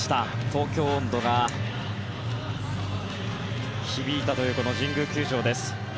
「東京音頭」が響いたというこの神宮球場です。